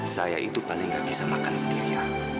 saya itu paling gak bisa makan sendiri ya